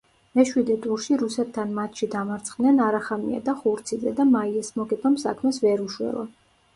მეშვიდე ტურში რუსეთთან მატჩში დამარცხდნენ არახამია და ხურციძე და მაიას მოგებამ საქმეს ვერ უშველა.